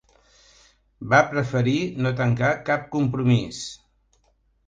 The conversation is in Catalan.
Va preferir no tancar cap compromís.